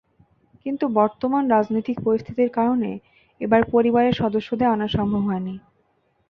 কিন্তু বর্তমান রাজনৈতিক পরিস্থিতির কারণে এবার পরিবারের সদস্যদের আনা সম্ভব হয়নি।